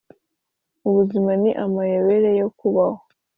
ubuzima ni amayobera yo kubaho,